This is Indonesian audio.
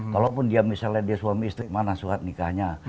kalaupun dia misalnya dia suami istri mana surat nikahnya